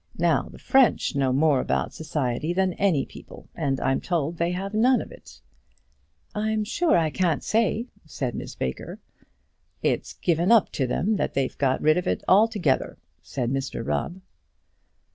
Now, the French know more about society than any people, and I'm told they have none of it." "I'm sure I can't say," said Miss Baker. "It's given up to them that they've got rid of it altogether," said Mr Rubb.